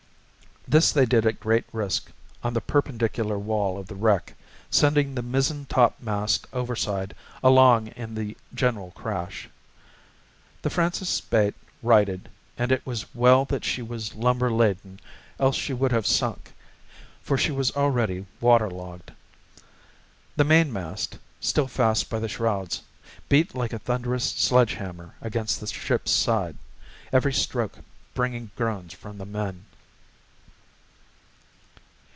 This they did at great risk on the perpendicular wall of the wreck, sending the mizzentopmast overside along in the general crash. The Francis Spaight righted, and it was well that she was lumber laden, else she would have sunk, for she was already water logged. The mainmast, still fast by the shrouds, beat like a thunderous sledge hammer against the ship's side, every stroke bringing groans from the men.